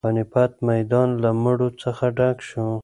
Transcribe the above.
د پاني پت میدان له مړو څخه ډک شو.